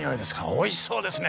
おいしそうですね」